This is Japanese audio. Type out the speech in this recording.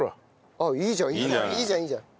あっいいじゃんいいじゃんいいじゃん。